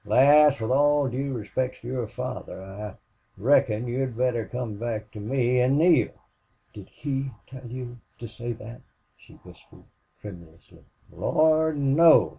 Lass, with all due respect to your father, I reckon you'd better come back to me an' Neale." "Did he tell you to say that?" she whispered, tremulously. "Lord, no!"